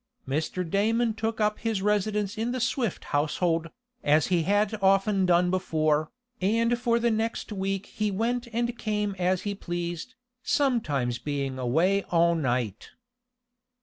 Mr. Damon took up his residence in the Swift household, as he had often done before, and for the next week he went and came as he pleased, sometimes being away all night.